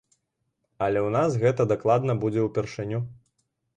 Але ў нас гэта дакладна будзе ўпершыню.